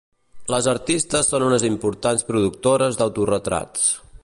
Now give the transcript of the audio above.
Les artistes són unes importants productores d'autoretrats.